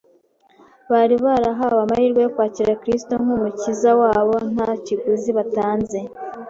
Bari barahawe amahirwe yo kwakira Kristo nk'Umukiza wabo nta kiguzi batanze.